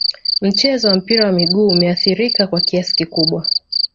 mchezo wa mpira wa miguu umeathirika kwa kiasi kikubwa